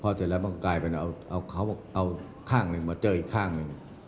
พอเจอแล้วมันกลายเป็นเอาข้างหนึ่งมาเจออีกข้างหนึ่ง